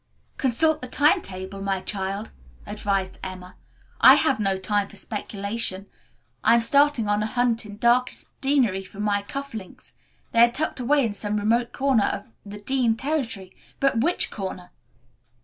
"Consult the time table, my child," advised Emma. "I have no time for speculation. I am starting on a hunt in darkest Deanery for my cuff links. They are tucked away in some remote corner of the Dean territory, but which corner?"